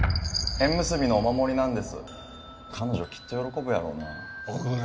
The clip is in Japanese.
縁結びのお守りなんです彼女きっと喜ぶやろうな